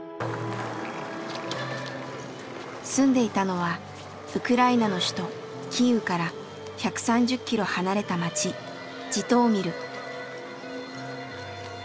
住んでいたのはウクライナの首都キーウから１３０キロ離れた街ジトーミル。